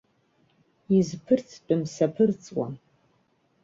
Изԥырҵтәым саԥырҵуам.